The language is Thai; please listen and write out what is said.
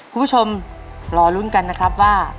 คุณผู้ชมรอลุ้นกันนะครับว่า